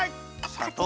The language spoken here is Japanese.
さとう。